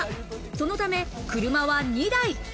そのため、車は２台。